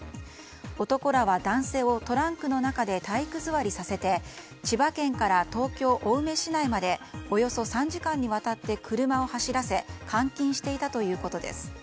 男らは男性をトランクの中で体育座りさせて千葉県から東京・青梅市内までおよそ３時間にわたって車を走らせ監禁していたということです。